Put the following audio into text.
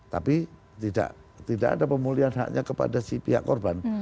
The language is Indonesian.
tapi tidak ada pemulihan haknya kepada si pihak korban